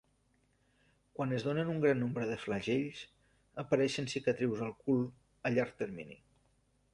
Quan es donen un gran nombre de flagells, apareixen cicatrius al cul a llarg termini.